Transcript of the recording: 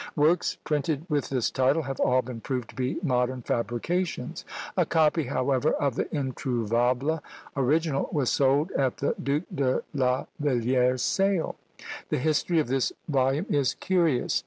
Works printed with this title have all been proved to be modern fabrications. A copy, however, of the introuvable original was sold at the Duke de la Vallière's sale! The history of this volume is curious.